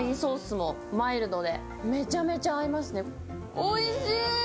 おいしい！